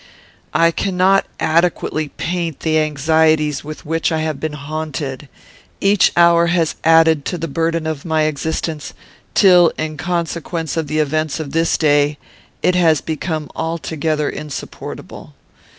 "I cannot adequately paint the anxieties with which I have been haunted. Each hour has added to the burden of my existence, till, in consequence of the events of this day, it has become altogether insupportable.